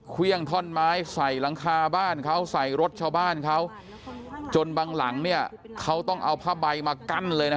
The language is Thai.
เครื่องท่อนไม้ใส่หลังคาบ้านเขาใส่รถชาวบ้านเขาจนบางหลังเนี่ยเขาต้องเอาผ้าใบมากั้นเลยนะ